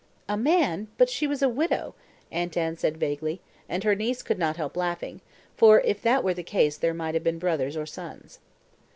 "A man! But she was a widow," Aunt Anne said vaguely; and her niece could not help laughing, for if that were the case there might have been brothers or sons.